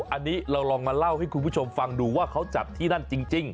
อันนี้เราลองมาเล่าให้คุณผู้ชมฟังดูว่าเขาจัดที่นั่นจริง